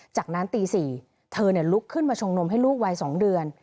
จากนั้นตี๔เธอลุกขึ้นมาชงนมให้ลูกวัย๒เดือน